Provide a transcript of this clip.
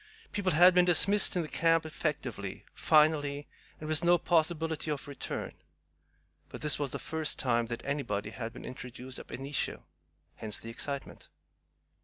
People had been dismissed the camp effectively, finally, and with no possibility of return; but this was the first time that anybody had been introduced AB INITIO. Hence the excitement.